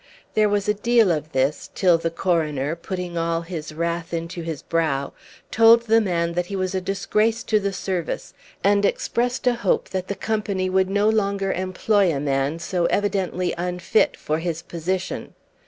There was a deal of this, till the Coroner, putting all his wrath into his brow, told the man that he was a disgrace to the service, and expressed a hope that the Company would no longer employ a man so evidently unfit for his position.